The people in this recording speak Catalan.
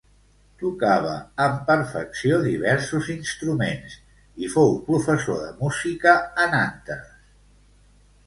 Tocava amb perfecció diversos instruments i fou professor de música a Nantes.